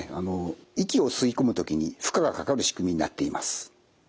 息を吸い込む時に負荷がかかる仕組みになっています。